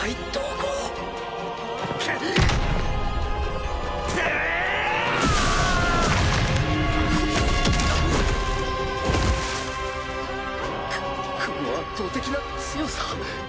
くっこの圧倒的な強さ。